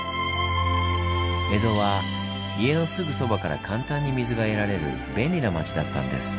江戸は家のすぐそばから簡単に水が得られる便利な町だったんです。